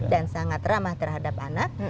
dan sangat ramah terhadap anak